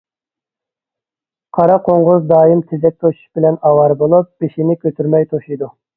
قارا قوڭغۇز دائىم تېزەك توشۇش بىلەن ئاۋارە بولۇپ، بېشىنى كۆتۈرمەي توشۇيدۇ.